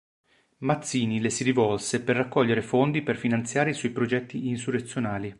Mazzini le si rivolse per raccogliere fondi per finanziare i suoi progetti insurrezionali.